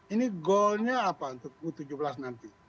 ini goalnya apa untuk u tujuh belas nanti